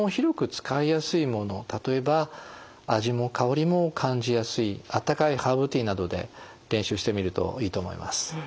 例えば味も香りも感じやすいあったかいハーブティーなどで練習してみるといいと思います。